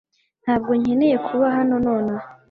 Ntabwo nkeneye kuba hano nonaha